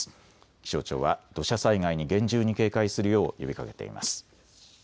気象庁は土砂災害に厳重に警戒するよう呼びかけています。